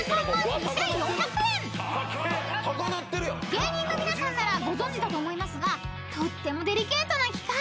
［芸人の皆さんならご存じだと思いますがとってもデリケートな機械］